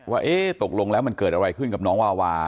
ว่าตกลงแล้วมันเกิดอะไรขึ้นกับน้องวาวา